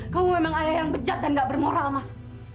kamu memang ayah yang bejat dan gak bermoral mas